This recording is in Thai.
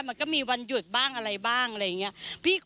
มันก็มีวันหยุดบ้างอะไรบ้างอะไรอย่างนี้